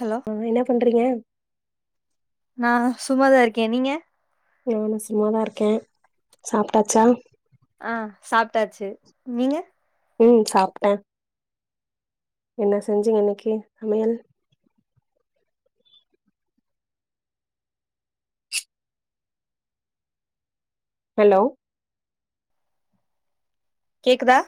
Hello ஆஹ் என்ன பண்றீங்க நான் சும்மாதா இருக்கேன் நீங்க நானும் சும்மாதான் இருக்கேன் சாப்ட்டாச்சா ஆஹ்ன் சாப்ட்டாச்சு நீங்க உம் சாப்ட்டேன் என்ன செஞ்சீங்க இன்னைக்கு சமையல் ஹலோ கேக்குதா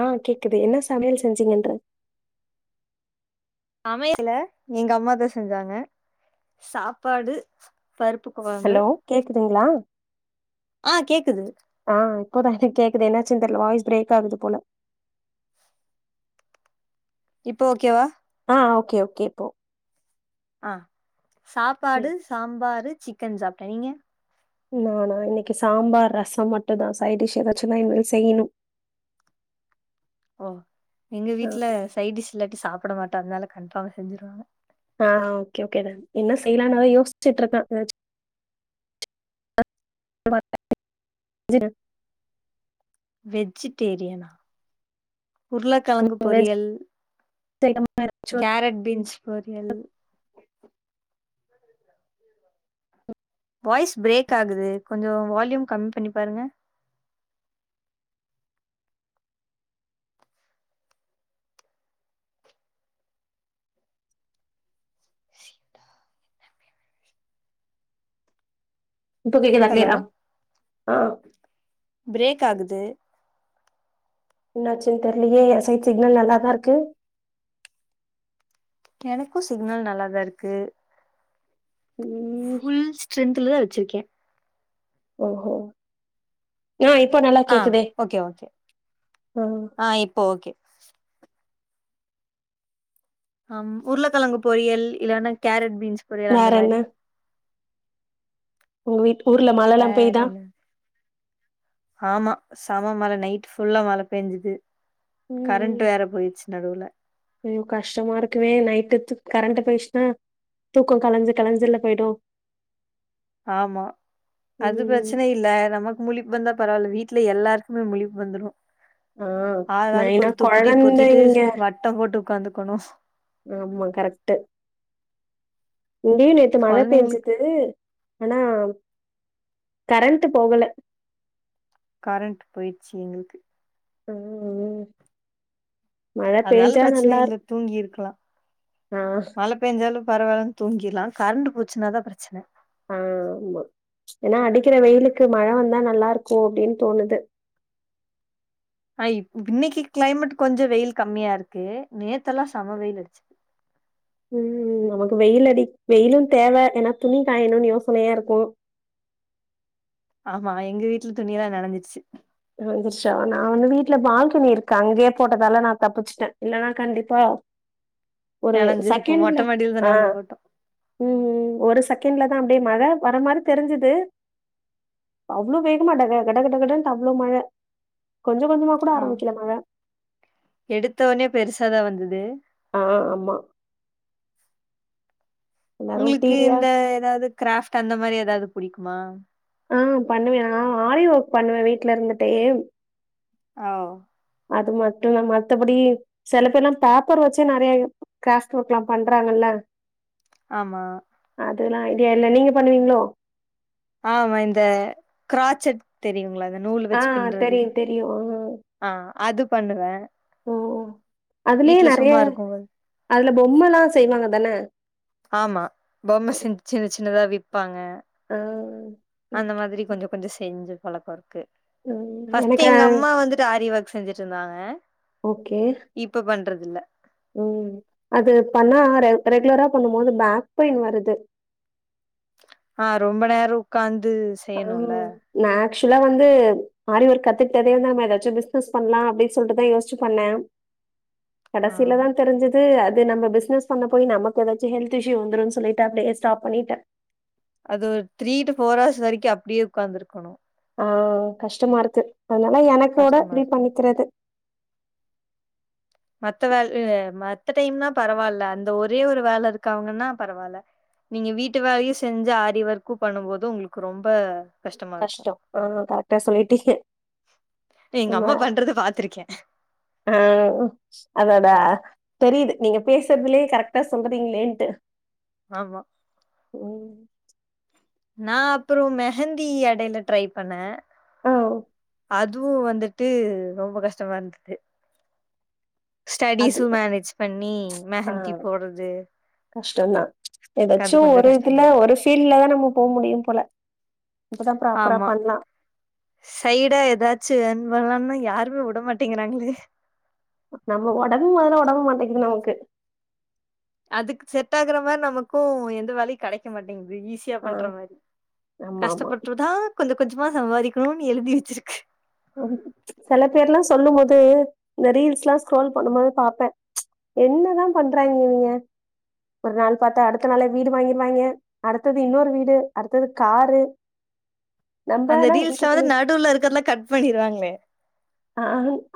ஆஹ்ன் கேக்குது என்ன சமையல் செஞ்சீங்கன்றே சமையல எங்க அம்மாதான் செஞ்சாங்க சாப்பாடு பருப்பு கொழம்பு ஹலோ கேக்குதுங்களா ஆ கேக்குது ஆஹ் இப்போதான் எனக்கு கேக்குது என்னாச்சுனு தெரில வாய்ஸ் பிரேக் ஆகுது போல இப்போ ஓகேவா ஆ ஓகே ஓகே இப்போ ஆஹ் சரி. சாப்பாடு சாம்பாரு சிக்கன் சாப்டேன் நீங்க நானா இன்னைக்கு சாம்பார் ரசம் மட்டும் தான் சைடிஷ் ஏதாச்சும்ன்னா இனிமே செய்யணும் ஓ எங்க வீட்ல சைடிஷ் இல்லாட்டி சாப் சாப்டாமாட்டம் அதனால கன்ஃபார்மா செஞ்சிருவாங்க ஆஹ் ஓகே ஓகே த என்ன செய்யலான்த யோசிச்சுட்டு இருக்கேன் [unintelligible] வெஜிடேரியனா உருளக்கிழங்கு ம் வெஜ் பொரியல் ஐட்டமா ஏதாச்சு கேரட் பீன்ஸ் பொரியல் வாய்ஸ் பிரேக் ஆகுது கொஞ்சம் வால்யூம் கம்மி பண்ணி பாருங்க சி இப்போ கேக்குதா ஹலோ கிளியர் ஆ ஆ பிரேக் ஆகுது என்னாச்சுன்னு தெரியலையே என் சைட் சிக்னல் நல்லாதான் இருக்கு எனக்கும் சிக்னல் நல்லாதான் இருக்கு ம் இதிலதான் வச்சிருக்கேன் ஓஹோ ஆ இப்போ நல்லா ஆ கேக்குதே ஓகே ஓகே ஆ இப்போ ஓகே ஆ உருளக்கிழங்கு பொரியல் இல்லன்னா கேரட் பீன்ஸ் பொரியல் அந்த வேற என்ன மாதிரி உங்க வீட் ஊர்ல மழல்லா வேற பெய்தா என்ன ஆமா செம மழ நைட் புள்ளா மழை பெஞ்சுது ம் கரண்ட் ம் வேற போயிச்சு நடுவுல ஐயோ கஷ்டமா இருக்குமே நைட்டு கரண்ட போயிச்சுன்னா தூக்கம் கலஞ்சி கலஞ்சில போயிடும் ஆமா அது பிரச்சனை இல்ல நமக்கு முழிப்பு வந்தா பரவாயில்ல வீட்ல எல்லாருக்குமே முழிப்பு வந்துரும் ஆ ஆளாளுக்கு மெயினா ஒரு துப்பிடிய பொத்திட்டு கொழந்தைங்க வட்டம் போட்டு உக்காந்துக்கணும் ஆமா கரெக்டு இங்கேயும் நேத்து மழை கொழந்தைங்களுக்கு பேஞ்சுது ஆனா கரண்ட் போகல கரண்ட் போயிச்சு எங்களுக்கு ம் ம்.. அதால பிரச்சன இல்ல தூங்கிருக்கலாம் ஆ மழ பேஞ்சாலும் பரவால்லன்னு தூங்கிலாம் கரண்ட் போச்சுன்னாதான் பிரச்சன ஆ ஆமா ஏன்னா அடிக்கற வெயிலுக்கு மழ வந்தா நல்லா இருக்கும் அப்டின்னு தோணுது ஐ.. இன்னிக்கு கிளைமேட் கொஞ்சம் வெயில் கம்மியா இருக்கு நேத்தல்லாம் செம வெயில் அடிச்சு ம் நமக்கு வெயில் அடி வெயிலும் தேவ ஏன்னா துணி காயணும்னு யோசனயா இருக்கும் ஆமா எங்க வீட்ல துணில்லாம் நனஞ்சுச்சு நெனச்ருச்சா நா வந்து வீட்டுல பால்கனி இருக்கு அங்கயே போட்டதால நா தப்பிச்சுட்டேன் இல்லன்னா கண்டிப்பா ஒரு நனஞ்சிருக்கு செகண்ட்ல மொட்ட மாடிலதா ஆ நாங்க போட்டோ ம் ம் ஒரு செகண்ட்ல அப்டியே மழ வர மாரி தெரிஞ்சுது அவ்ளவோ வேகமா ட கடகட அவ்ளோ மழ ஆ ஆரம்பிக்கல மழ எடுத்தவனே பெருசாதா வந்தது ஆ ஆமா எல்லாரு உங்களுக்கு டிவியா இந்த எதாது க்ராஃப்ட் அந்த மாரி எதாது புடிக்குமா ஆ பண்ணுவேன் நா. ஆரிஒர்க் பண்ணுவ வீட்ல இருந்துட்டே ஆவோ அது மட்டந்தா மத்த படி சில பேரெல்லா பேப்பர் வச்சே நெறயா கிராப்ட் ஒர்க் எல்லா பண்றாங்கல்ல ஆமா அதேல்லா ஐடியா இல்ல நீங்க பண்ணுவீங்களோ ஆமா இந்த கிராச்சட் தெரியுங்களா நூல் ஆ வச்சு பின்றது தெரியு தெரியு ஊ ஆ அது பண்ணுவ அதுலயே நெறயா இருக்கும்போது அதுல பொ ம்மல்லா செய்வாங்கதான ஆமா பொம்ம சின் சின்ன சின்னதா வி ப்பாங்க ஆ ம் அந்த மாதிரி கொஞ்சோ கொஞ்சோ செஞ்சு பழக்கோ இருக்கு ம் பஸ்ட்டு எனக்கு எங்க அம்மா வந்துட்டு ஆரி ஒர்க் செஞ்சுட்டு இருந்தாங்க ஓகே றதில்ல உம் அது பண்ணா ரெ ரெகுலரா பண்ணும்போது பேக் பெயின் வருது ஆ ரொம்ப நேரோ உக்காந் இது ஆ செய்யணுல நா ஆக்சுவலா வந்து ஆரி ஒர்க் கத்துக்கிட்டதே வந்து நம்ம எதாச்சு பிசினஸ் பண்லா அப்டின்னு சொல்ட்டு தா யோஸிச்சு பண்ண ஆ கடசீலதாந் தெரிஞ்சுது அது அது நம்ம பிசினஸ் பண்ண போய் நமக்கு எதாச்சு ஹெல்த் இஷ்யூ வந்துருன்னு சொல்லிட்டு அப்டியே ஸ்டாப் பண்ணிட்ட அது ஒரு த்ரீ டு ஃபோர் ஹவர்ஸ் வரைக்கு அப்டியே உட்காந்துருக்கணு ஆஹ் கஷ்டமா இருக்கு அதனால எனக்கோட கஷ்டமா அப்படியே இருக்கு பண்ணிக்கிறது மத்த வே மத்த டைம்னா பரவால அந்த ஒரே ஒரு வேல இருக்கவுங்கன்னா பரவால நீங்க வீட்டு வேலயு செஞ்சு ஆரி ஒர்க்கும் பண்ணும்போது உங்களுக்கு ரொம்ப கஷ்டமா இருக்கு கஷ்டோ ஆஹ் கரெக்டா சொல்லிட்டீங்க எங்க ரொம்ப அம்மா பண்றது பாத்திருக்கே ஆஹ் அதோட தெரியுது நீங்க பேசுறதுலயே கரெக்ட்டா சொல்றீங்களேன்ட்டு ஆமா ஓ நா அப்புறோ மெஹந்தி எடைல ட்ரை பண்ண ஆஹொ அதுவும் வந்துட்டு ரொம்ப கஷ்டமா இருந்தது அது ஸ்டடிஸு மேனேஜ் பண்ணி மெஹந்தி ஆஹ் போட்றது கஷ்டம் தான் அது ஏதாச்சும் கொஞ்சோ ஒரு கஷ்டமா இதுல இருக்கு. ஒரு ஃபீல்ட்லதா நம்ம போ முடியு போல அப்பதா ப்ராப்பரா ஆமா பண்லா சைடா ஏதாச்சு இவங்கதா யாருமே விட மாட்டேங்கிறாங்களே நம்ம உடம்கு முதல உடம்பு மாட்டேக்குது நமக்கு அதுக்கு செட் ஆகுற மாரி நமக்கும் எந்த வேலையு கிடைக்க மாட்டேங்க து ஈஸியா ஆ பண்ற மாரி ஆமா ஆமா கஷ்டப்பட்டுதான் கொஞ்சொ கொஞ்சமா சம்பாதிக்கணும்னு எழுதி வச்சிருக்கு [unintelligible] சில பேர்லா சொல்லும் போ து இந்த ரீல்ஸ் எல்லாம் ஸ்க்ரோல் பண்ணும் போது பாப்பேன் என்னதான் பண்றாய்ங்க இவிங்க ஒரு நாள் பாத்தா அடுத்த நாளே வீடு வாங்கிருவாய்ங்க அடுத்தது இன்னொரு வீடு அடுத்தது காரு நம்ப அந்த ஆனா ரீல்ஸ்ல வந்து வீட்டுக்குள்ளே நடுல இருக்கிறதெல்லா கட் பண்ணிருவாங்களே ஆ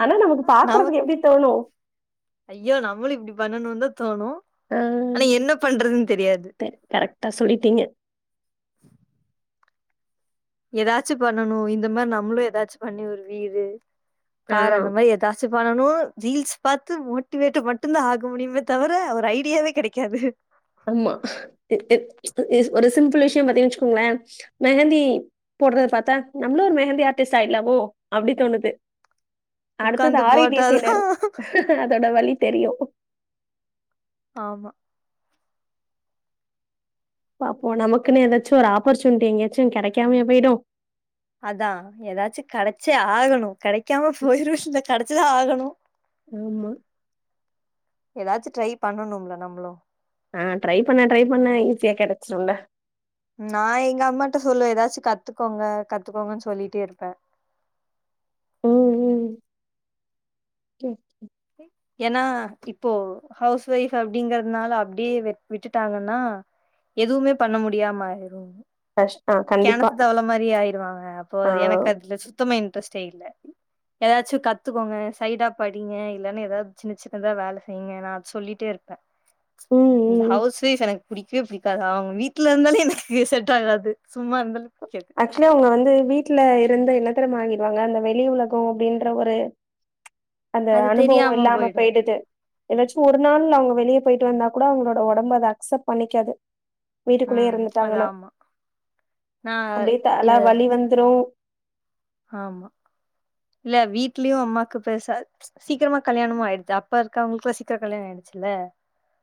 ஆனா நமக்கு நமக் பாக்குறதுக்கு எப்டி தோணும் ஐயோ நம்மளும் இப்படி பண்ணணும் தா தோணும் ஆனா என்ன பண்றது தரி கரெக்டா சொல்லிட்டீங்க ஏதாச்சும் பண்ணணும் இந்த மாரி நம்மளும் ஏதாச்சும் பண்ணி ஒரு வீடு ஆ கார் அந்த மாரி ஏதாச்சு பண்ணனும் ரீல்ஸ் பார்த்து மோட்டிவேட்டு் மட்டுந்தான் ஆக முடியுமே தவிர ஒரு ஐடியாவே கெடைக்காது ஆமா. [unintelligible] ங்கலா வச்சுக்கோங்களேன் மெஹந்தி போடுறது பாத்தா நம்மளும் ஒரு மெஹந்தி ஆர்டிஸ்ட் ஆயிடலாமோ அப்டி தோணுது உக்காந்து அடுத்தது போட்டாதா [unintelligible] அதோட வலி தெரியும் ஆமா பாப்போம் நமக்குன்னு ஏதாச்சும் ஒரு ஆப்பர்ச்சுனிட்டி எங்கேயாச்சும் கிடைக்காமயா போயிடும் அதான் ஏதாச்சும் கெடைச்சே ஆகணும் கெடை க்காம போயிரும் சிலத் கெடைச்சிதான் ஆகணும் ஆமா ஏதாச்சும் ட்ரை பண்ணணும்ல நம்மளும் ஆஹ் ட்ரை பண்ண ட்ரை பண்ண ஈஸியா கிடைச்சிரும்ல நான் எங்க அம்மாட்ட சொல்லுவேன் ஏதாச்சும் கத்துக்கோங்க கத்துக்கோங்கன்னு சொல்லிட்டே இருப்பேன் உம் உம் ஓகே கே ஏனா இப்போ ஹவுஸ்வைஃப் அப்படிங்கறதுனால அப்டியே விட்டுட்டாங்கன்னா எதுவுமே பண்ண முடியாம ஆயிறும் கஷ் ஆ கண்டிப்பா. கெணத்து தவள மாரி ஆயிருவாங்க அப்போ ஆ. எனக்கு அதுல சுத்தமா இன் ட்ரஸ்டே இல்ல ஏதாச்சும் கத்துக்கோங்க சைடா படிங்க இல்லன்ன ஏதாவது சின்ன சின்னதா வேலை செய்யிங்க நான் அத சொல்லிட்டே இருப்பேன் ம், இந்த ம். ஹவுஸ் வைஃப் எனக் புடிக்கவே புடிக்காது அவங்க வீட்டுல இருந்தாலே எனக்கு செட் ஆகாது சும்மா இருந்தாலும் ஆக்சுவலா அவங்க வந்து வீட் வீட்ல இருந்து என்ன தெரிமா ஆயிடுவாங்க அந்த வெளி உலகம் அப்படின்ற ஒரு அந்த அது அனுபவம் தெரியாம இல்லாம போயிடு போயிடுது எதாச்சு ஒரு நாள்ல அவங்க வெளியே போயிட்டு வந்தா கூட அவங்கட உடம்பு அதை அக்செப்ட் பண்ணிக்காது வீட்டுக்குள்ளயே ம் அத இருந்துட்டாங்கன்னா ஆமா நா அப்டியே எ தல வலி வந்துடும் ஆமா இல்ல வீட்லயும் அம்மாக்கு பேச ப்ச் சீக்கிரமா கல்யாணமும் ஆயிடுத்து அப்ப இருக்கவங்களுக்ளாம் சீக்கிரம் கல்யாணம் ஆயிடுச்சுல்ல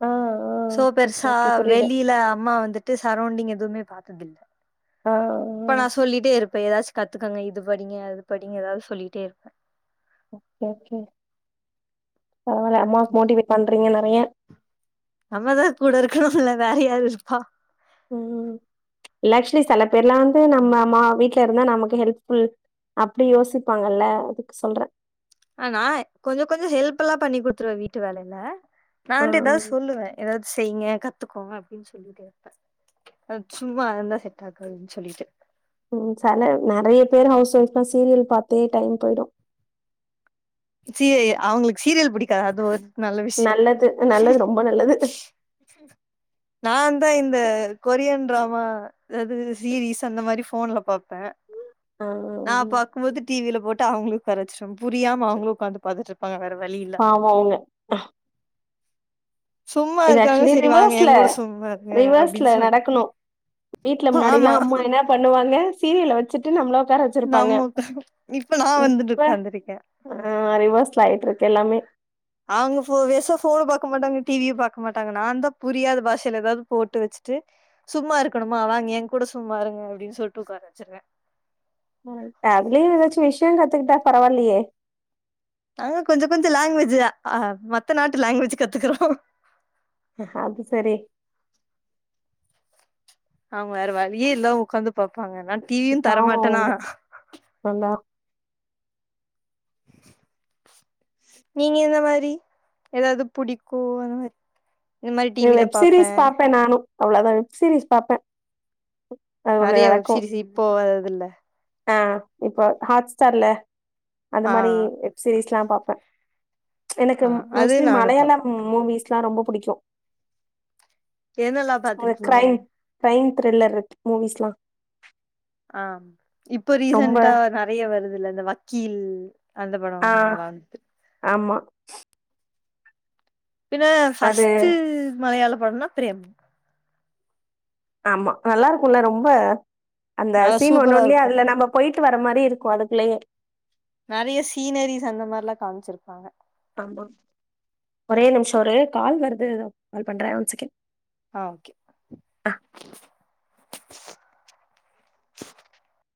ஆ ஆ சோ ஓகே பெருசா ஓகே புரியுது வெளியில அம்மா வந்துட்டு சரௌண்டிங் [unintelligible] எதுமே பாத்ததில்ல ஆ ம் இப்ப ஏதாச்சும் கத்துக்கங்க இது இது படிங்க அது படிங்க ஏதாவது சொல்லிகிட்டே இருப்பேன் ஓகே ஓகே பரவால்ல அம்மாவுக்கு மோட்டிவேட் பண்றீங்களா [unintelligible] நம்மதான் கூட இருக்கணுல்ல வேற யாரு இருப்பா ம் இல்ல ஆக்சுவலி சில பேர்லாம் வந்து நம்ம மா வீட்ல இருந்தா நமக்கு ஹெல்ப்ஃபுல் அப்படி யோசிப்பாங்கல்ல அதுக்கு சொல்றேன் ஆனா கொஞ்சம் கொஞ்சம் ஹெல்ப்லாம் பண்ணி குடுத்துருவேன் வீட்டு வேலையில நான் ஆ வந்து ஆ ஏதாவது சொல்லுவேன் ஏதாவது செய்ங்க கத்துக்கோங்க அப்படின்னு சொல்லிட்டே இருப்பேன் சும்மா [unintelligible] செட் ஆகாதுன்னு சொல்லிட்டு ம் சில நெறைய பேர் ஹவுஸ் ஒயஃப்லாம் சீரியல் பாத்தே டைம் போயிடும் [unintelligible] அவங்களுக்கு சீரியல் புடிக்காது அது ஒரு நல்ல விஷயோ நல்லது நல்லது ரொம்ப நல்லது நான் தான் இந்த கொரியன் டிராமா அதாவது சீரிஸ் அந்த மாரி போன்ல பாப்பேன் ஆ நான் பாக்கும் போது டிவில போட்டு அவங்களும் உக்கார வச்சிருவேன் புரியாம அவங்களும் உக்காந்து பாத்திட்டு இருப்பாங்க வேற வழி இல்ல பாவம் அவங்க சும்மா இது இருக்காங்க ஆக்சுவலி சரி வாங்க ரிவர்ஸ்ல என் கூட சும்மா இருங்க ரிவர்ஸ்ல அப்படின்னு சொல்லி நடக்கணும் வீட்ல ஆமா முன்னாடில்லாம் அம்மா என்ன பண்ணுவாங்க சீரியல வச் வச்சிட்டு நம்மள உக்கார வச்சிருப்பாங்க நம்ம உக்கா இப்ப நா வந்துட்டு இப்ப உட்காந்துருக்கே ஆ ரிவர்ஸ்ட் ஆயிட்டுருக்கு எல்லாமே அவங்க போர் இயர்ஸ் ஆஹ் போனு பாக்கமாட்டாங்க டிவியும் பாக்க மாட்டாங்க நான்தான் புரியாத பாஷையில ஏதாவது போட்டு வச்சுட்டு சும்மா இருக்கணுமா வாங்க என் கூட சும்மா இருங்க அப்படின்னு சொல்ட்டு உட்காரவச்சிருவேன் அதிலியும் ஏதாச்சும் விஷயம் கத்துக்கிட்டா பரவால்லியே நாங்க கொஞ்சம் கொஞ்சம் லாங்குவேஜ்ஹ மத்த நாட்டு லாங்குவேஜ் கத்துக்குறோம் ஆ அது சரி ஆமா வேற வழியே இல்ல உக்காந்து பாப்பாங்க நான் டிவியும் பாவோ தரமாட்டனா அவுங்க நல்லா நீங்க இந்த மாதிரி ஏதாவது புடிக்கும் அந் மாரி இந்த மாரி டிவில வெப் பாப்பே சீரிஸ் பாப்பேன் நானும் அவ்வளோதான் வெப்சீரிஸ் பாப்பேன் நெறைய வெப்சிரீஸ் இப்போ அதில்ல ஆஹ் இப்போ ஹாட்ஸ்டார்லே அந்த ஆ மாதிரி வெப்சீரீஸ் எல்லாம் பாப்பேன் எனக்கு ஆ அது மோஸ்ட்லி நானு பாப்பே மலையாளம் மூவிஸ் தான் ரொம்ப பிடிக்கும் என்னல்லாம் பாத்திருக்கீங்க கிரைம் த்ரில்லர் இருக்கு மூவிஸ்லாம் ஆஹ் இப்போ ரீசென்டா நெறைய வருது இல்ல இந்த வக்கீல் அந்த படம் ஆ ஓகே நல்லா இருக்கும் ஆமா பின்ன அது ஃபர்ஸ்ட் மலையாளம் பன்ன பிரேம் ஆமா நல்லா இருக்கும்ல ரொம்ப அந்த நல்லா சீன் ஒண்ணும் சூப்பரா இல்லையா இருக்கு அதுல நம்ம போயிட் ட்டு வர மாதிரி இருக்கும் அதுக்குள்ளேயே நெறைய சீனரிஸ் அந்த மாரிலாம் காமிச்சிருபாங்க ஒரே நிமிஷம் ஒரு கால் வருது கால் பண்றேன் ஒன் செகண்ட் ஆஹ் ஓகே